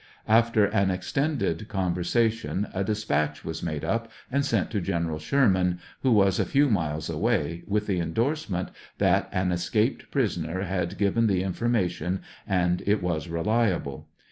After an extended conversation a dispatch was made up and sent to Gen. Sherman who was a few miles away, with the endorsement that an escaped prisoner had given the information and it was reliable.